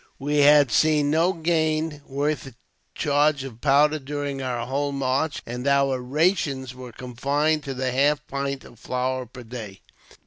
We had seen no game worth a charge of powder during our whole march, and our rations were confined to the half pint of flour per day.